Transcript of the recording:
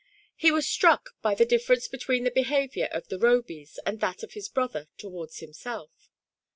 He was struck by the difference .between the behaviour of the Robys and that of his brother towards himself.